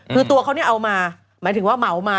คือตัวเขาเนี่ยเอามาหมายถึงว่าเหมามา